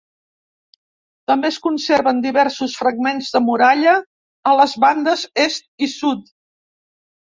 També es conserven diversos fragments de muralla a les bandes est i sud.